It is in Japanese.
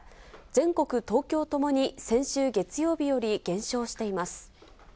全国、東京ともに先週月曜日より減少しています。